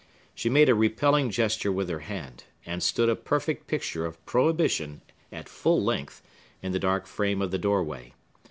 She made a repelling gesture with her hand, and stood a perfect picture of prohibition, at full length, in the dark frame of the doorway.